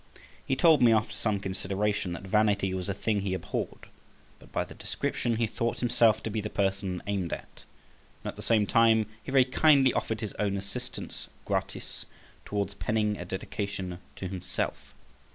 He told me, after some consideration, that vanity was a thing he abhorred, but by the description he thought himself to be the person aimed at; and at the same time he very kindly offered his own assistance gratis towards penning a dedication to himself.